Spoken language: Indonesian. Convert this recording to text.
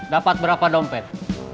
dapat berapa dompet